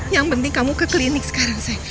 yang penting kamu ke klinik sekarang saya